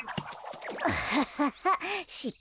アハハハしっぱい。